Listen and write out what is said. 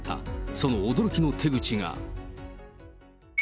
その驚きの手口が。